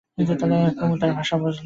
কুমু তার ভাষা বুঝল।